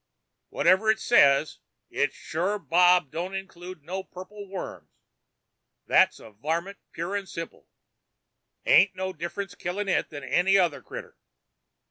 "Whatever it says, it sure bob don't include no purple worms. That's a varmint, pure and simple. Ain't no different killin' it than any other critter."